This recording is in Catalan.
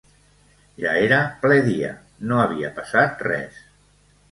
Ja era ple dia, no havia passat res